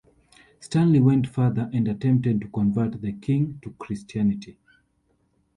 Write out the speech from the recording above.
Stanley went further and attempted to convert the king to Christianity.